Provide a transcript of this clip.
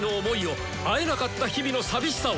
会えなかった日々の寂しさを！